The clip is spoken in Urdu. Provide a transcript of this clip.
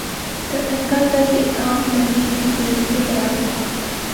تو ان کا قد ایک عام دمی کی ہتھیلی کے برابر تھا